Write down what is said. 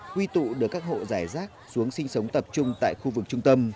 quy tụ được các hộ giải rác xuống sinh sống tập trung tại khu vực trung tâm